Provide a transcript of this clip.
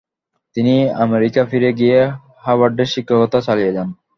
তিনি আমেরিকা ফিরে গিয়ে হার্ভার্ডে শিক্ষকতা চালিয়ে যান।